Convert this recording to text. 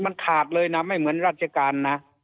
มันขาดเลยนะไม่เหมือนราชการนะ